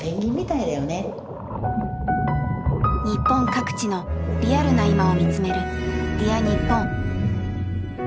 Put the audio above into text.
日本各地のリアルな今を見つめる「Ｄｅａｒにっぽん」。